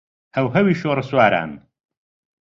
هەوهەوی شۆڕەسواران